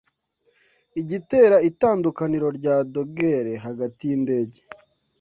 igitera itandukaniro rya dogere hagati yindege